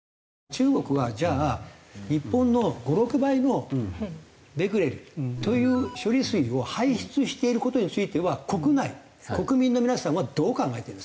中国はじゃあ日本の５６倍のベクレルという処理水を排出している事については国内国民の皆さんはどう考えてるんですか？